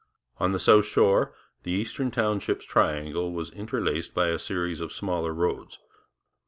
On the south shore the Eastern Townships triangle was interlaced by a series of smaller roads.